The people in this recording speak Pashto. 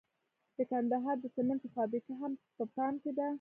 د کندهار د سمنټو فابریکه هم په پام کې ده.